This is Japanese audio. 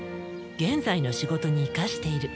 現在の仕事に生かしている。